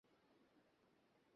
অন্ধকার হয়ে গেছে।